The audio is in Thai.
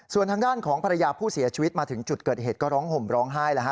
ส่วนทางด้านของภรรยาผู้เสียชีวิตมาถึงจุดเกิดเหตุก็ร้องห่มร้องไห้แล้วฮ